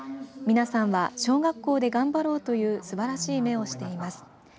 皆さんは小学校で頑張ろうというすばらしい目をしています。